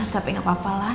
tapi gak apa apalah